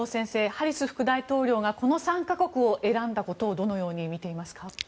ハリス副大統領がこの３か国を選んだことをどのように見ていますか？